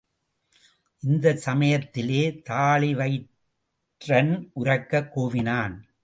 இந்தச் சமயத்திலே தாழிவயிறன் உரக்கக் கூவினான்.